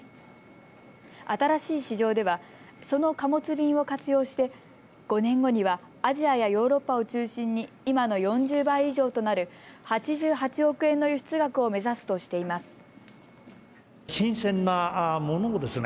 新しい市場ではその貨物便を活用して５年後にはアジアやヨーロッパを中心に今の４０倍以上となる８８億円の輸出額を目指すとしています。